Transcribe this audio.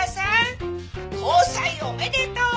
交際おめでとう。イェイ！